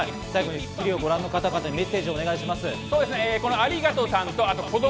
鼠先輩、最後にテレビをご覧の方々にメッセージお願いします。